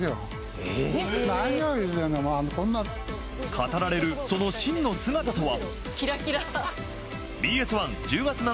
語られる、その真の姿とは。